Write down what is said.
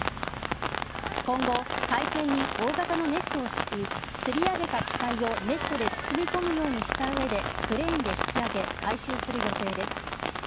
今後、海底に大型のネットを敷きつり上げた機体をネットで包み込むようにした上でクレーンで引き揚げ回収する予定です。